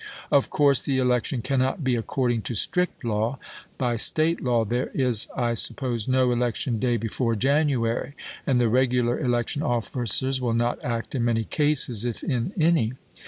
Of course the election cannot be according to strict law — by State law, there is, I sup pose, no election day before January ; and the regular election of&cers will not act in many cases, if in any.